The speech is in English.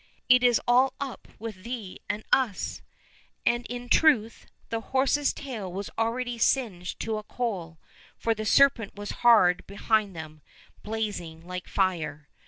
It is all up with thee and us !" And, in truth, the horse's tail was already singed to a coal, for the serpent was hard behind them, blazing like fire.